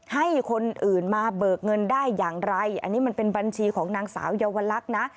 ให้คนอื่นมาเบิกเงินได้อย่างไรอันนี้มันเป็นบัญชีของนางสาวเยาวลักษณ์นะ